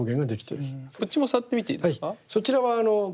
こっちも触ってみていいですか？